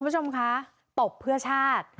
คุณผู้ชมคะตบเพื่อชาติ